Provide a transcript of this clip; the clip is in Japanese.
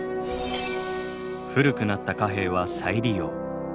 古くなった貨幣は再利用。